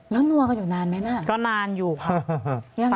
แล้วนัวกันอยู่นานไหมน่ะก็นานอยู่ค่ะ